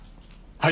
はい。